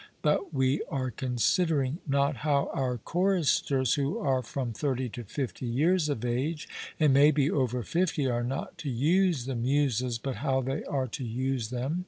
But we are considering not how our choristers, who are from thirty to fifty years of age, and may be over fifty, are not to use the Muses, but how they are to use them.